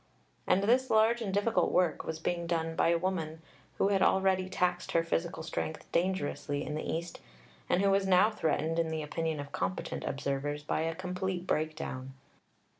And this large and difficult work was being done by a woman who had already taxed her physical strength dangerously in the East, and who was now threatened, in the opinion of competent observers, by a complete breakdown.